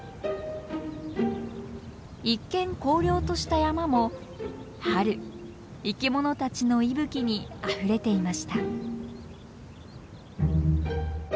一見荒涼とした山も春生きものたちの息吹にあふれていました。